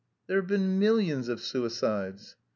"There have been millions of suicides."